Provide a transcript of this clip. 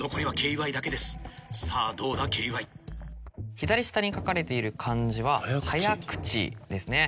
左下に書かれている漢字は「早口」ですね。